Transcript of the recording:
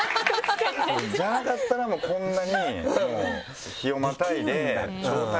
じゃなかったらこんなに日をまたいで。